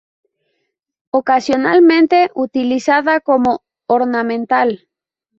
Ocasionalmente utilizada como ornamental.